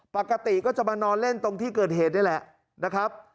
ปกติก็จะมานอนเล่นตรงที่เกิดเหตุนี่แหละนะครับ